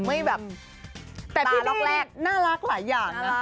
ไม่แบบตาล็อกแรกแต่พี่บี้น่ารักหลายอย่างนะ